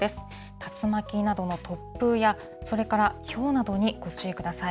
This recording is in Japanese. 竜巻などの突風やそれからひょうなどにご注意ください。